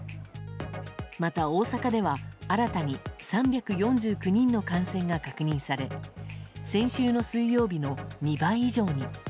また大阪では新たに３４９人の感染が確認され先週の水曜日の２倍以上に。